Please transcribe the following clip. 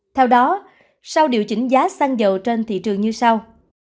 theo đó sau điều chỉnh giá xăng dầu trên thị trường như sau